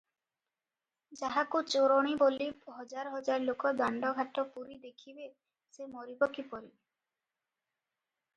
ଯାହାକୁ ଚୋରଣୀ ବୋଲି ହଜାର ହଜାର ଲୋକ ଦାଣ୍ଡଘାଟ ପୂରି ଦେଖିବେ ସେ ମରିବ କିପରି?